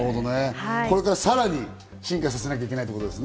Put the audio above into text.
これからさらに進化させなきゃいけないってことですね。